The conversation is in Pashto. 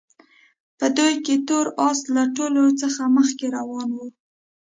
په دوی کې تور اس له ټولو څخه مخکې روان وو.